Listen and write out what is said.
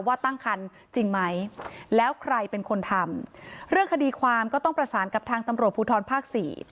ว่าตั้งคันจริงไหมแล้วใครเป็นคนทำเรื่องคดีความก็ต้องประสานกับทางตำรวจภูทรภาคสี่